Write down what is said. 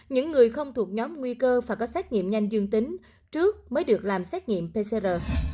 những người không thuộc nhóm nguy cơ phải có xét nghiệm nhanh dương tính trước mới được làm xét nghiệm pcr